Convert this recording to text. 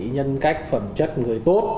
nhân cách phẩm chất người tốt